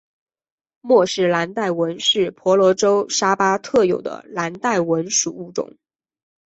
莫氏蓝带蚊是婆罗洲沙巴特有的的蓝带蚊属物种。